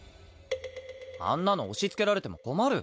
あんなの押しつけられても困る。